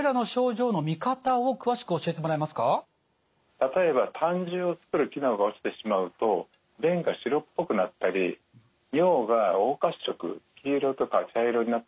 例えば胆汁をつくる機能が落ちてしまうと便が白っぽくなったり尿が黄褐色黄色とか茶色になったりすることがあるんですね。